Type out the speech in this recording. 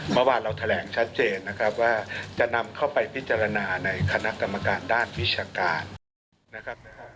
เมื่อวานเราแถลงชัดเจนนะครับว่าจะนำเข้าไปพิจารณาในคณะกรรมการด้านวิชาการนะครับ